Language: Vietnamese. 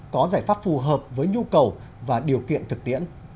có giải pháp phù hợp với nhu cầu và điều kiện thực tiễn